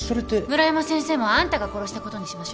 村山先生もあんたが殺したことにしましょう。